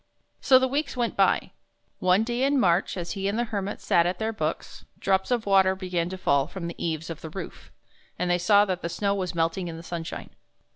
So the weeks went by. One day in March, as he and the Hermit sat at their books, drops of water began to fall from the eaves of the roof, and they saw that the snow was melting in the sunshine.